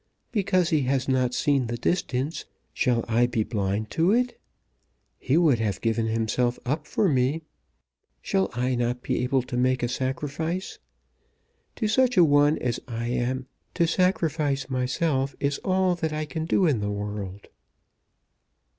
Because he has not seen the distance, shall I be blind to it? He would have given himself up for me. Shall I not be able to make a sacrifice? To such a one as I am to sacrifice myself is all that I can do in the world."